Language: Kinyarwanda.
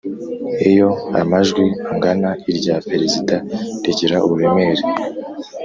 Iyo amajwi angana irya perezida rigira uburemere